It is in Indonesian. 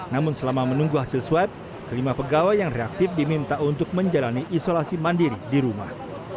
namun selama menunggu hasil swab kelima pegawai yang reaktif diminta untuk menjalani isolasi mandiri di rumah